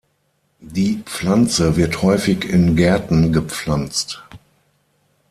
Die Pflanze wird häufig in Gärten gepflanzt.